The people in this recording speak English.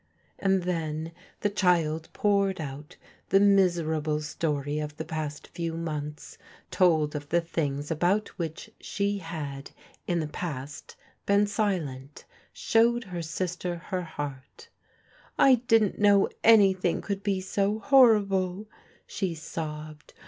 " And then the child poured out the miserable story of the past few months ; told of the things about which she had, in the past, been silent ; showed her sister her heart " I didn't know anything could be so horrible," she sobbed.